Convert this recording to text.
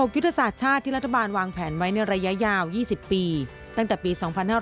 ยุทธศาสตร์ชาติที่รัฐบาลวางแผนไว้ในระยะยาว๒๐ปีตั้งแต่ปี๒๕๕๙